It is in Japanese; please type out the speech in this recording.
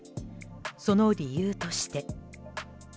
その理由として。